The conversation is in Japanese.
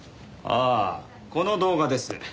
ああこの動画です。